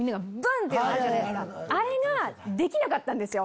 あれができなかったんですよ。